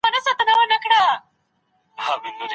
رڼا په ورو ورو د کوټې له دېوالونو څخه ووتله.